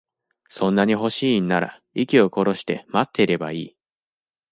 そんなに欲しいんなら、息を殺して待ってればいい。